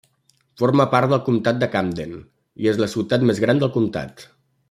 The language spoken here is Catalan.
Forma part del comtat de Camden i és la ciutat més gran del comtat.